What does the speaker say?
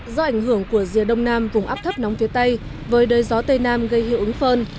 do ảnh hưởng của rìa đông nam vùng áp thấp nóng phía tây với đới gió tây nam gây hiệu ứng phơn